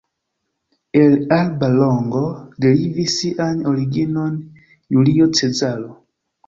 El Alba Longo derivis sian originon Julio Cezaro.